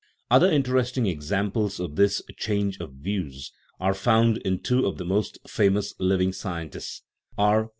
Other interesting examples of this change of views are found in two of the most famous living scientists, R.